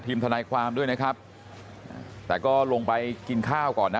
ทนายความด้วยนะครับแต่ก็ลงไปกินข้าวก่อนนะ